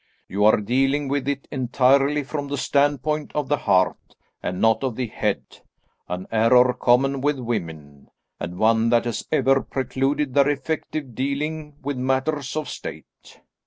You are dealing with it entirely from the standpoint of the heart and not of the head, an error common with women, and one that has ever precluded their effective dealing with matters of State.